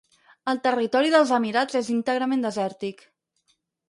El territori dels Emirats és íntegrament desèrtic.